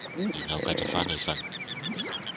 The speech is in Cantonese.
然後繼續返去瞓